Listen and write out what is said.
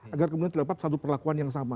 agar kemudian terdapat satu perlakuan yang sama